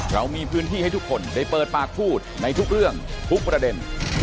เรามีพื้นที่ให้ทุกคนได้เปิดปากพูดในทุกเรื่องทุกประเด็น